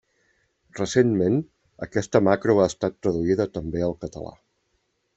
Recentment, aquesta macro ha estat traduïda també al català.